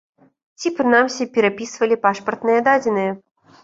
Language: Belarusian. Ці, прынамсі, перапісвалі пашпартныя дадзеныя.